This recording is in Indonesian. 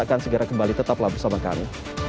akan segera kembali tetaplah bersama kami